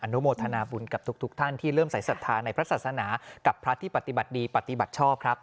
นุโมทนาบุญกับทุกท่านที่เริ่มใส่ศรัทธาในพระศาสนากับพระที่ปฏิบัติดีปฏิบัติชอบครับ